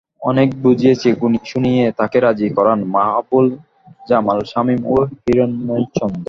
অনেক বুঝিয়ে শুনিয়ে তাঁকে রাজি করান মাহবুব জামাল শামিম ও হিরণ্ময় চন্দ।